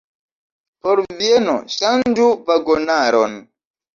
Por Vieno, ŝanĝu vagonaron!